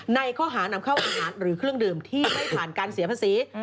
ในข้อหานำเข้าอาหารหรือเครื่องดื่มที่ไม่ผ่านการเสียภาษี